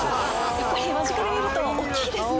やっぱり間近で見ると大きいですね！